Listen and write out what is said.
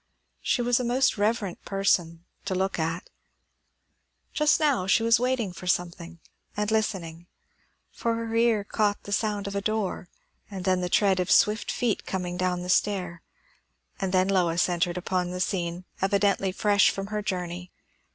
She was a most reverent person, to look at. Just now she was waiting for something, and listening; for her ear caught the sound of a door, and then the tread of swift feet coming down the stair, and then Lois entered upon the scene; evidently fresh from her journey.